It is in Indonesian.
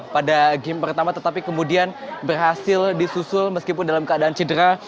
pada game pertama tetapi kemudian berhasil disusul meskipun dalam keadaan cedera